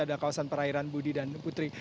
ada kawasan perairan budi dan putri